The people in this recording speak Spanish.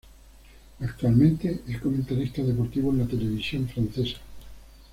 Actualmente es comentarista deportivo en la televisión francesa.